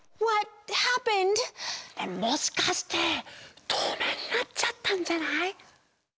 もしかしてとうめいになっちゃったんじゃない？